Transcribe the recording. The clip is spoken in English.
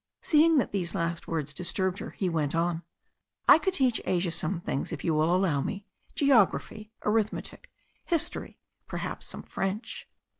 Seeing that these last words disturbed her, he went on, "I could teach Asia some things, if you will allow me — geography, arithmetic, history, perhaps some French.